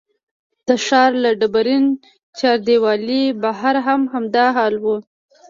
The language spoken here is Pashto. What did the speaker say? د ښار له ډبرین چاردیوالۍ بهر هم همدا حال و.